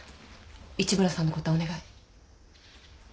市村さんのことはお願い。